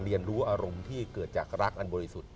เรียนรู้อารมณ์ที่เกิดจากรักอันบริสุทธิ์